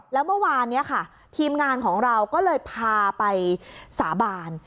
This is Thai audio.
แล้วเมื่อวานนี้ค่ะทีมงานของเราก็เลยพาไปสาบาน